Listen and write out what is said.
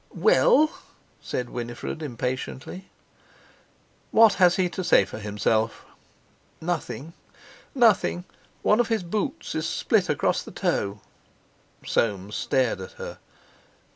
"Well?" said Winifred impatiently. "What has he to say for himself?" "Nothing. One of his boots is split across the toe." Soames stared at her.